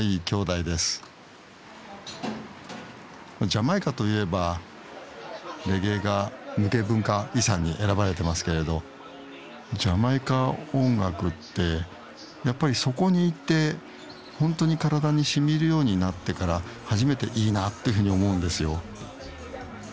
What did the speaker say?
ジャマイカといえばレゲエが無形文化遺産に選ばれてますけれどジャマイカ音楽ってやっぱりそこに行って本当に体にしみいるようになってから初めていいなあっていうふうに思うんですよ。